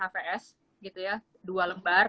avs gitu ya dua lembar